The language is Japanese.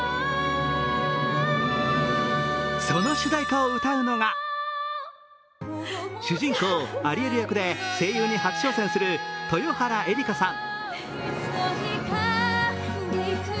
その主題歌を歌うのが主人公・アリエル役で声優に初挑戦する豊原江理佳さん。